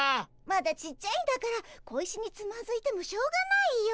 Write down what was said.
まだちっちゃいんだから小石につまずいてもしょうがないよ。